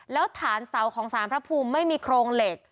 แล้วฐานเสาของสารพระภูมิไม่มีโครงเหล็ก